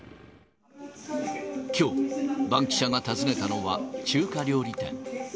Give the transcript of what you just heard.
きょう、バンキシャが訪ねたのは、中華料理店。